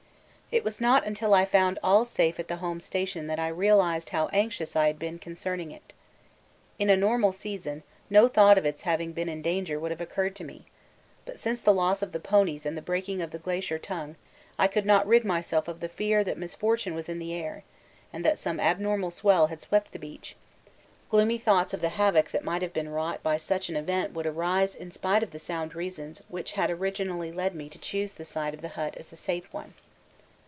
It was not until I found all safe at the Home Station that I realised how anxious I had been concerning it. In a normal season no thought of its having been in danger would have occurred to me, but since the loss of the ponies and the breaking of the Glacier Tongue I could not rid myself of the fear that misfortune was in the air and that some abnormal swell had swept the beach; gloomy thoughts of the havoc that might have been wrought by such an event would arise in spite of the sound reasons which had originally led me to choose the site of the hut as a safe one.